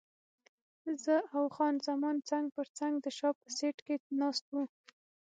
زه او خان زمان څنګ پر څنګ د شا په سیټ کې ناست وو.